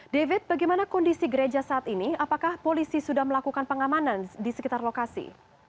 david bagaimana kondisi gereja saat ini apakah polisi sudah melakukan pengamanan di sekitar lokasi